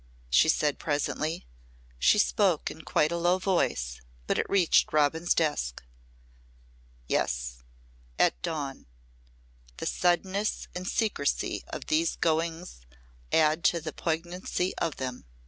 she said presently. She spoke in quite a low voice, but it reached Robin's desk. "Yes. At dawn. The suddenness and secrecy of these goings add to the poignancy of them.